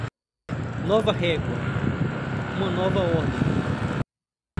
Nova régua, uma nova ordem.